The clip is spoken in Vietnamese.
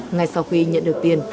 ngay sau khi nhận được tiền